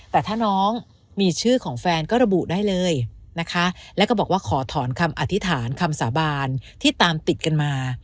แต่ถ้าน้องมีชื่อของแฟนก็ระบุได้เลยนะคะแล้วก็บอกว่าขอถอนคำอธิษฐานคำสาบานที่ตามติดกันมา